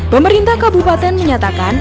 pemerintah kabupaten menyatakan